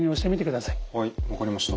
はい分かりました。